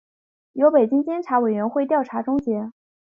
由北京市监察委员会调查终结